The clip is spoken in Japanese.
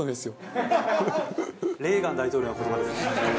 レーガン大統領の言葉ですね。